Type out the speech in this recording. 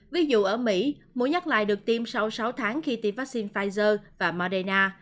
ví dụ ở mỹ mũi nhắc lại được tiêm sau sáu tháng khi tiêm vaccine pfizer và moderna